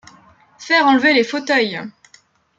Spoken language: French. Faire enlever les fauteuils !